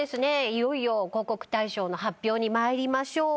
いよいよ広告大賞の発表に参りましょう。